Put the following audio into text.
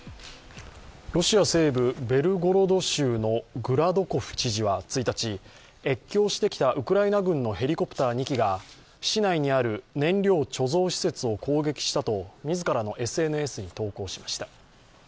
ロシア西部ベルゴロド州のグラドコフ知事は１日越境してきたウクライナ軍のヘリコプター２機が市内にある燃料貯蔵施設を攻撃したと自らのＳＮＳに投稿しました。